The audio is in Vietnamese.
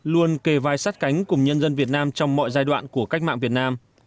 luôn kề vai sát cánh cùng nhân dân việt nam trong mọi giai đoạn của cách mạng việt nam